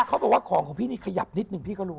เขาบอกว่าของของพี่นี่ขยับนิดหนึ่งพี่ก็รู้